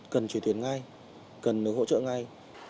cần truyền tiền ngay cần được hỗ trợ ngay